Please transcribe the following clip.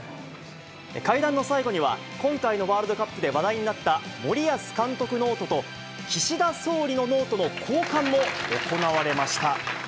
会談の最後には、今回のワールドカップで話題になった森保監督のノートと、岸田総理のノートの交換も行われました。